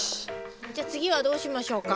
じゃあ次はどうしましょうか？